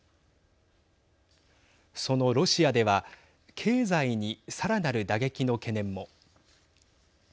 そのロシアでは経済にさらなる打撃の懸念も。